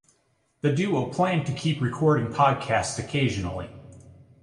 The duo planned to keep recording podcasts occasionally.